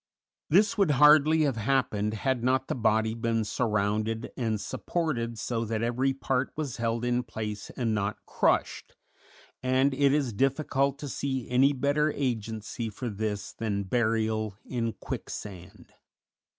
This would hardly have happened had not the body been surrounded and supported so that every part was held in place and not crushed, and it is difficult to see any better agency for this than burial in quicksand.